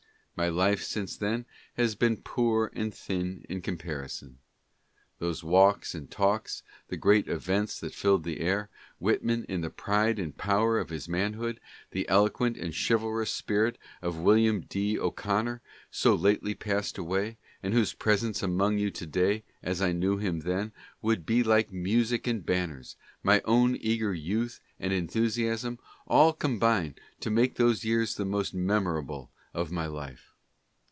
My life since then has been poor and thin in comparison. Those walks and talks, the great events that filled the air, Whitman in the pride and power of his man hood, the eloquent and chivalrous spirit of William D. O'Connor, so lately passed away, and whose presence among you to day, as I knew him then, would be like music and banners, my own eager youth and enthusiasm — all combine to make those years the most memorable of my life.